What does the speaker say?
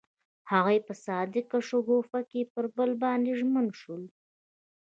هغوی په صادق شګوفه کې پر بل باندې ژمن شول.